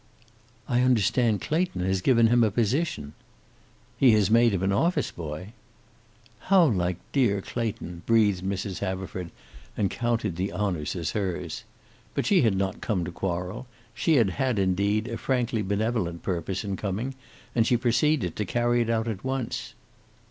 "I understand Clayton has given him a position." "He has made him an office boy." "How like dear Clayton!" breathed Mrs. Haverford, and counted the honors as hers. But she had not come to quarrel. She had had, indeed, a frankly benevolent purpose in coming, and she proceeded to carry it out at once.